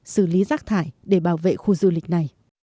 xử lý rác thải để bảo vệ khu du lịch này